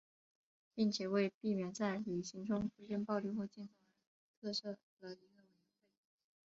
并且为避免在游行中出现暴力或静坐而特设了一个委员会。